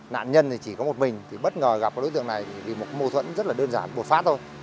nạn nhân thì chỉ có một mình thì bất ngờ gặp đối tượng này vì một mâu thuẫn rất là đơn giản bột phát thôi